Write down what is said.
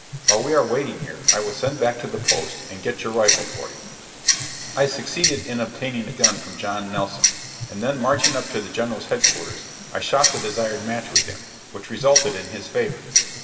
While we are waiting here, I will send back to the post and get your rifle for you." I succeeded in obtaining a gun from John Nelson, and then marching up to the General's headquarters I shot the desired match with him, which resulted in his favor.